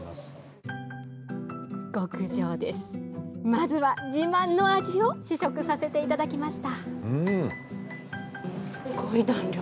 まずは自慢の味を試食させていただきました。